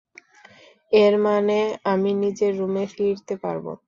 এর মানে আমি নিজের রুমে ফিরতে পারব।